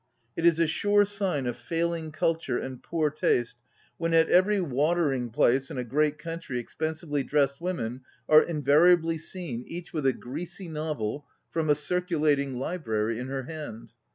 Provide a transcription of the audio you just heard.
It is a sure sign of failing culture and poor taste when at every water 9 ON READING ing place in a great country expen sively dressed women are invariably seen each with a greasy novel from a circulating library in her hand.